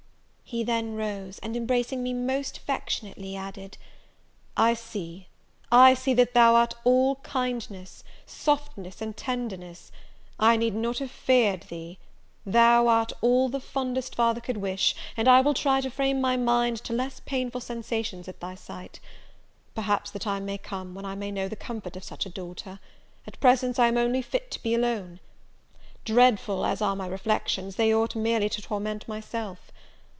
He then rose; and, embracing me most affectionately, added, "I see, I see that thou art all kindness, softness, and tenderness; I need not have feared thee, thou art all the fondest father could wish, and I will try to frame my mind to less painful sensations at thy sight. Perhaps the time may come, when I may know the comfort of such a daughter; at present I am only fit to be alone: dreadful as are my reflections, they ought merely to torment myself.